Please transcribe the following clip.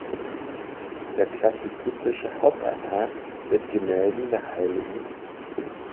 Der klassizistische Hauptaltar mit Gemälden der hll.